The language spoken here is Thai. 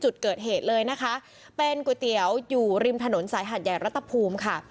จุดเกิดเหตุเลยนะคะเป็นก๋วยเตี๋ยวอยู่ริมถนนสายหาดใหญ่รัฐภูมิค่ะ